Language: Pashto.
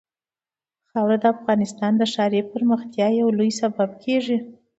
خاوره د افغانستان د ښاري پراختیا یو لوی سبب کېږي.